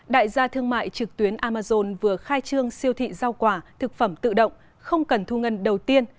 đại gia thương mại trực tuyến amazon vừa khai trương siêu thị rau quả thực phẩm tự động không cần thu ngân đầu tiên